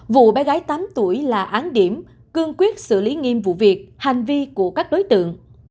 vụ bé gái tám tuổi là án điểm cương quyết xử lý nghiêm vụ việc hành vi của các đối tượng